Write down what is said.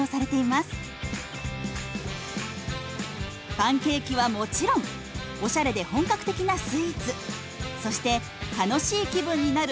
パンケーキはもちろんおしゃれで本格的なスイーツそして楽しい気分になる